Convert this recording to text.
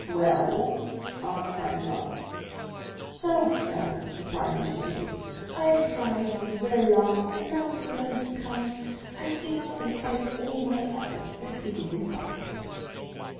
"Well?" asked Danglars. "Well, sir," replied Eugénie, "I have tried to the very last and now that the moment has come, I feel in spite of all my efforts that it is impossible."